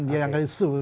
dia yang isu